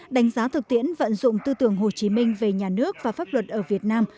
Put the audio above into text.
đánh giá thực tiễn vận dụng tư tưởng hồ chí minh về nhà nước và pháp luật ở việt nam